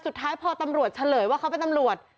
สุดท้ายพอตำรวจเฉลยว่าเขาเป็นตำรวจ